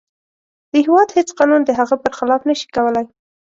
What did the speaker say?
د هیواد هیڅ قانون د هغه پر خلاف نشي کولی.